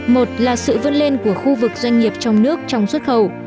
một là sự vươn lên của khu vực doanh nghiệp trong nước trong xuất khẩu